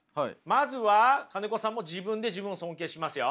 まずは金子さんも自分で自分を尊敬しますよ。